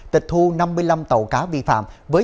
tịch thu năm mươi năm tài liệu